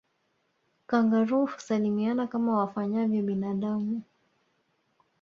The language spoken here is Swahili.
Kangaroo husalimiana kama wafanyavyo binadamu